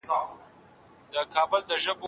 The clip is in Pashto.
ایا څېړنه د دوام غوښتنه کوي؟